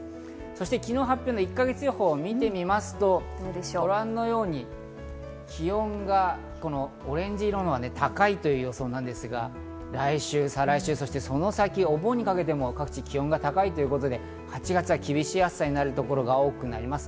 そして昨日発表の１か月予報を見てみますと、ご覧のように気温がオレンジ色は高いという予想なんですが、来週、再来週、その先、お盆にかけても各地気温が高いということで、８月は厳しい暑さになる所が多くなります。